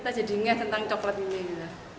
kita jadi ngeh tentang coklat ini